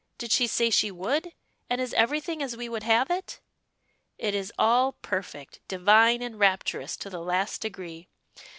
Did she say she would? And is everything as we would have it?" "It is all perfect, divine, and rapturous, to the last degree.